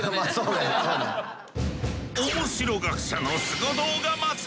「オモシロ学者のスゴ動画祭」。